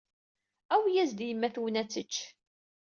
Awi-yas-d i yemma-twen ad tečč.